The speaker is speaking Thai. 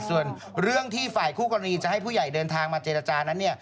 ส่วนเรื่องที่ฝ่ายคู่กรณีจะให้ผู้ใหญ่เดินทางมาเจรจานั้นเนี่ย